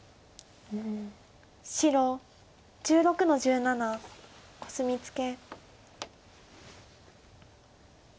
白１６の十七コスミツケ。